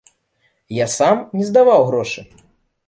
Я сам не здаваў грошы.